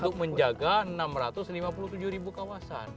untuk menjaga enam ratus lima puluh tujuh ribu kawasan